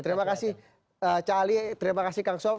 terima kasih cah ali terima kasih kang sob